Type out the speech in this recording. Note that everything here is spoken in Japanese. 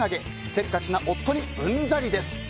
せっかちな夫にうんざりです。